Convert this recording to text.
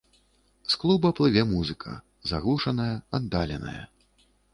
З клуба плыве музыка, заглушаная, аддаленая.